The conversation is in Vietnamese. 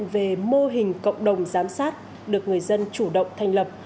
về mô hình cộng đồng giám sát được người dân chủ động thành lập